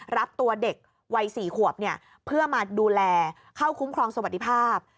รับตัวเด็กวัย๔ขวบเพื่อมาดูแลเข้าคุ้มครองสวัสดิภาพ